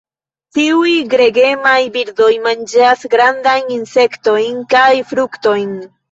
Tiuj gregemaj birdoj manĝas grandajn insektojn kaj fruktojn.